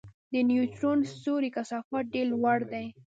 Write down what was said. د نیوټرون ستوري کثافت ډېر لوړ دی.